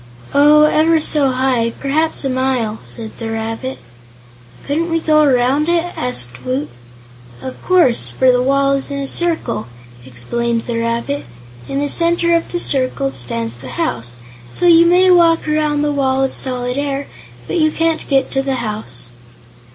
"Oh, ever so high; perhaps a mile," said the rabbit. "Couldn't we go around it?" asked Woot. "Of course, for the wall is a circle," explained the rabbit. "In the center of the circle stands the house, so you may walk around the Wall of Solid Air, but you can't get to the house."